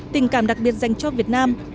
tình cảm đặc biệt dành cho việt nam